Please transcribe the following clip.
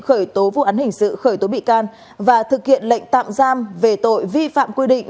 khởi tố vụ án hình sự khởi tố bị can và thực hiện lệnh tạm giam về tội vi phạm quy định